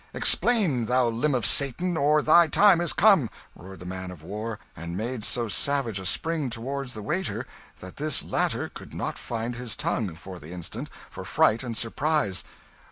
"Explain, thou limb of Satan, or thy time is come!" roared the man of war, and made so savage a spring toward the waiter that this latter could not find his tongue, for the instant, for fright and surprise.